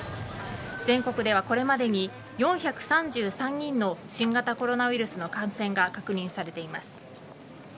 全国ではこれまでに４３３人の新型コロナウイルスの感染が確認されています。